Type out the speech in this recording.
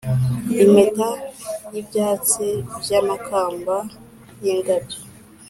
impeta y'ibyatsi by'amakamba y'indabyo